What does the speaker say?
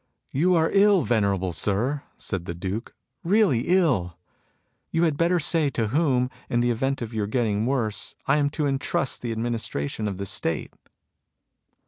" You are ill, venerable Sir,'* said the Duke, " really ill. You had better say to whom, in the event of your getting worse, I am to entrust the administration of the State."